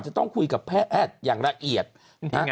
จะต้องคุยกับแพทย์อย่างละเอียดนะฮะ